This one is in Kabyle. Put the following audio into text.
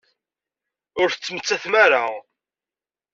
Ur tettmettatem ara.